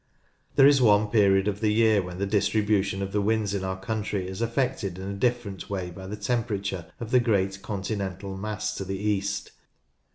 There is one period of the year when the distribution of the winds in our country is affected in a different way by the temperature of the great continental mass to the east.